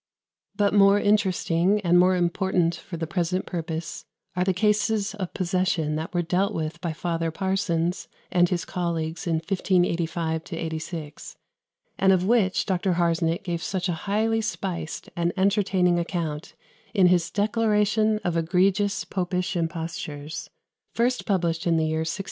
But more interesting, and more important for the present purpose, are the cases of possession that were dealt with by Father Parsons and his colleagues in 1585 6, and of which Dr. Harsnet gave such a highly spiced and entertaining account in his "Declaration of Egregious Popish Impostures," first published in the year 1603.